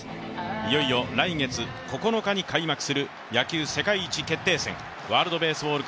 いよいよ来月９日に開幕する野球世界一決定戦ワールドベースボール